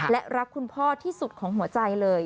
และรักคุณพ่อที่สุดของหัวใจเลย